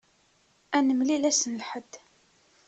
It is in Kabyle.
Ad nemlil ass n Lḥedd.